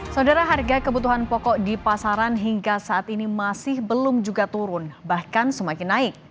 saudara harga kebutuhan pokok di pasaran hingga saat ini masih belum juga turun bahkan semakin naik